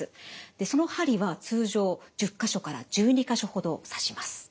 その針は通常１０か所から１２か所ほど刺します。